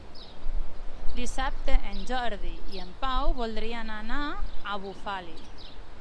Dissabte en Jordi i en Pau voldrien anar a Bufali.